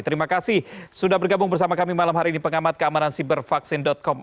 terima kasih sudah bergabung bersama kami malam hari ini pengamat keamanan sibervaksin com